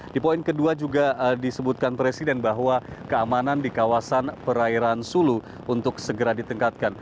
di poin kedua juga disebutkan presiden bahwa keamanan di kawasan perairan sulu untuk segera ditingkatkan